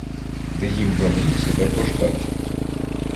Де їм велів себе пождать.